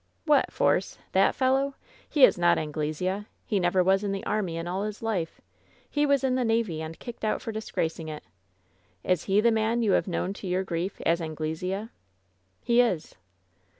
"What, Force! That fellow! He is not Anglesea! He never was in the army in all his life. He was in the navy, and kicked out for disgracing it. Is he the man you have known to your grief as Anglesea ?" "He is."